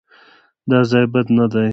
_دا ځای بد نه دی.